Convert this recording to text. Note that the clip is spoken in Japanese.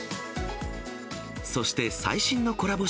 そして最新のコラボ